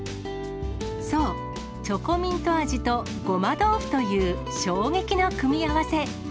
そう、チョコミント味とごま豆腐という衝撃な組み合わせ。